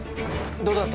どうだった？